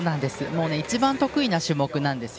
一番、得意な種目なんです。